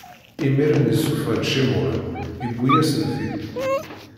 Imiren, issufɣ-d Cimɛun, iwwi-yasen-t-id.